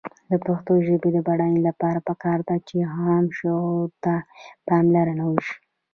د پښتو ژبې د بډاینې لپاره پکار ده چې عام شعور ته پاملرنه وشي.